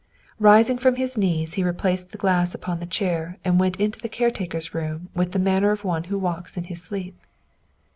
Rising from his knees he replaced the glass upon the chair and went into the caretaker's room with the manner of one who walks in his sleep.